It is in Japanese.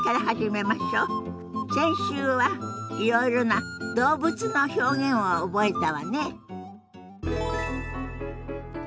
先週はいろいろな動物の表現を覚えたわね。